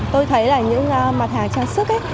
tôi thấy là những mặt hàng trang sức